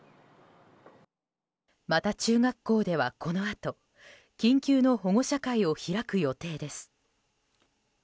また中学校では、このあと緊急の保護者会を開く予定です。